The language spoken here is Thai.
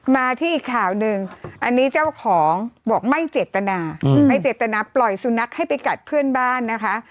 มาที่อีกข่าวหนึ่งอันนี้เจ้าของบอกไม่เจตนาไม่เจตนาปล่อยสุนัขให้ไปกัดเพื่อนบ้านนะคะ